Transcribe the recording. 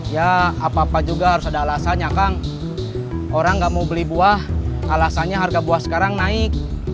ya apa apa juga harus ada alasannya kang orang gak mau beli buah alasannya harga buah sekarang naik